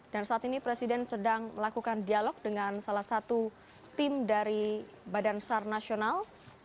dan saat ini presiden sedang melakukan dialog dengan salah satu tim dari badan sar nasional